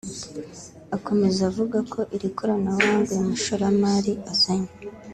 Akomeza avuga ko iri koranabuhanga uyu mushoramari azanye